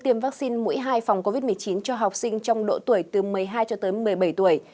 phát sinh mũi hai phòng covid một mươi chín cho học sinh trong độ tuổi từ một mươi hai một mươi bảy tuổi